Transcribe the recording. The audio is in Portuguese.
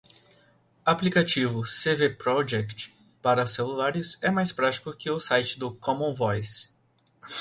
Aplicativo CvProject para celulares é mais prático que o site do commonvoice